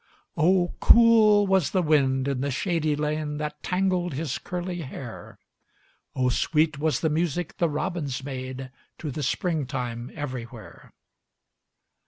Oh, cool was the wind in the shady lane That tangled his curly hair! Oh, sweet was the music the robins made To the springtime everywhere!